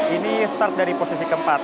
ini start dari posisi keempat